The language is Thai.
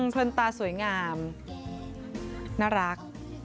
เพลินตาสวยงามน่ารัก